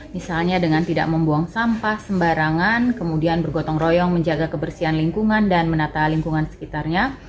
misalnya dengan tidak membuang sampah sembarangan kemudian bergotong royong menjaga kebersihan lingkungan dan menata lingkungan sekitarnya